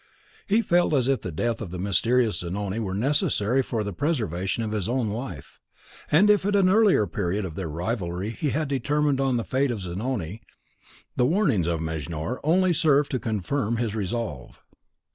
He felt as if the death of the mysterious Zanoni were necessary for the preservation of his own life; and if at an earlier period of their rivalry he had determined on the fate of Zanoni, the warnings of Mejnour only served to confirm his resolve.